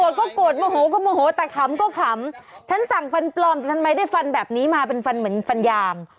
ฉันสั่งฟันปลอมแต่ทำไมได้ฟันแบบนี้มาเป็นฟันเหมือนฟันยาม